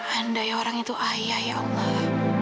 andai orang itu ayah ya allah